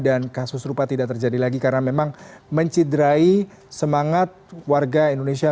dan kasus rupa tidak terjadi lagi karena memang mencenderai semangat warga indonesia